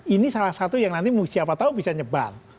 ini salah satu yang nanti siapa tahu bisa nyebal